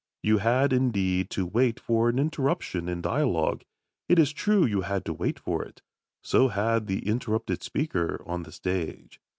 You had, indeed, to wait for an interruption in dialogue it is true you had to wait for it; so had the interrupted speaker on the stage.